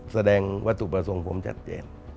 แสดงวัตถุประสงค์ผมชัดเจน